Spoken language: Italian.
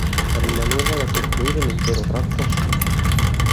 Rimaneva da costruire l'intero tratto a sud.